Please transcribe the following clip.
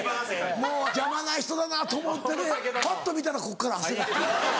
もう邪魔な人だなと思っててぱっと見たらこっから汗が。